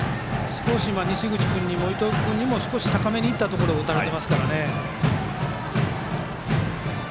少し西口君にも伊藤君にも少し高めにいったところで打たれていますからね。